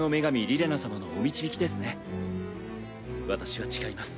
私は誓います。